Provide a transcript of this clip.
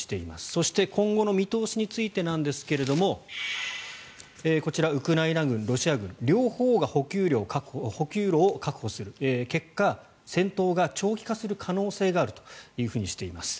そして今後の見通しについてなんですがこちらウクライナ軍、ロシア軍両方が補給路を確保する結果、戦闘が長期化する可能性があるというふうにしています。